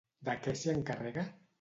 De què s'hi encarrega?